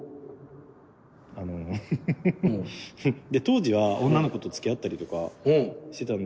当時は女の子とつきあったりとかしてたんですけど。